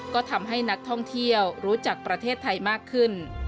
ก็ทำให้นักท่องเที่ยวรู้จักประเทศไทยมากขึ้น